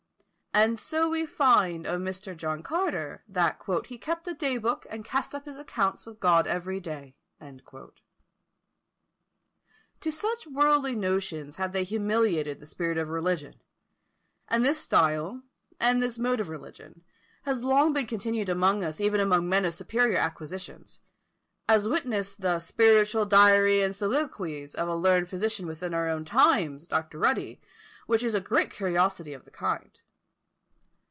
And so we find of Mr. John Carter, that "He kept a day book and cast up his accounts with God every day." To such worldly notions had they humiliated the spirit of religion; and this style, and this mode of religion, has long been continued among us even among men of superior acquisitions: as witness the "Spiritual Diary and Soliloquies" of a learned physician within our own times, Dr. Rutty, which is a great curiosity of the kind.